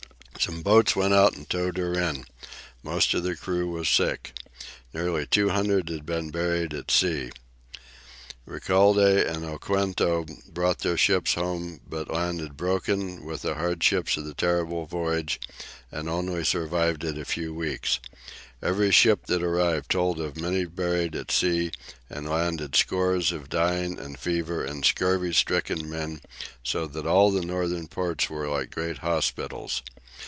Some boats went out and towed her in. Most of the crew were sick. Nearly two hundred had been buried at sea. Recalde and Oquendo brought their ships home, but landed broken with the hardships of the terrible voyage, and only survived it a few weeks. Every ship that arrived told of the many buried at sea, and landed scores of dying and fever and scurvy stricken men, so that all the northern ports were like great hospitals.